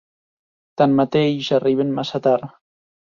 Tanmateix, arriben massa tard.